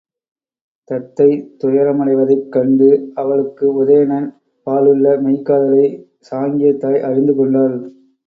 தத்தை துயரமடைவதைக் கண்டு, அவளுக்கு உதயணன் பாலுள்ள மெய்க் காதலைச் சாங்கியத் தாய் அறிந்து கொண்டாள்.